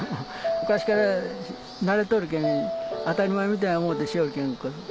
昔から慣れとるけん当たり前みたいに思うてしよるけん。